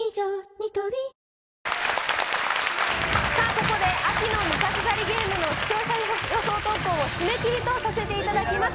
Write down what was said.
ニトリさあ、ここで秋の味覚狩りゲームの視聴者予想投稿を締め切りとさせていただきます。